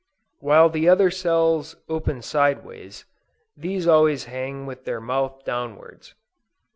While the other cells open sideways, these always hang with their mouth downwards.